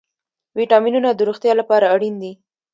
ویټامینونه د روغتیا لپاره اړین دي